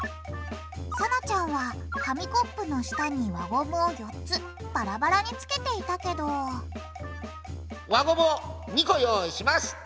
さなちゃんは紙コップの下に輪ゴムを４つバラバラにつけていたけど輪ゴムを２個用意します。